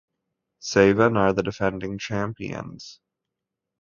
Sevan are the defending champions.